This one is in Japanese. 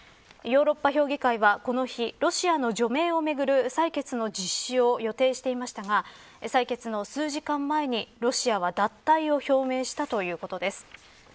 ヨーロッパ評議会はこの日、ロシアの除名をめぐる採決の実施を予定していましたが採決の数時間前にロシアは脱退を表明したということです。